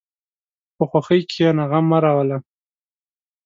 په خوښۍ کښېنه، غم مه راوله.